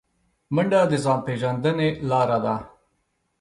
منډه د ځان پیژندنې لاره ده